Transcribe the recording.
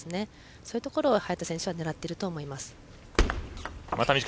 そういうところを早田選手が狙っていると思います。